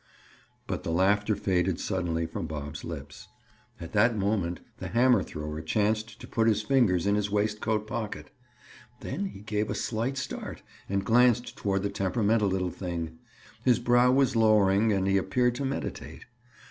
But the laughter faded suddenly from Bob's lips. At that moment the hammer thrower chanced to put his fingers in his waistcoat pocket. Then he gave a slight start and glanced toward the temperamental little thing; his brow was lowering, and he appeared to meditate.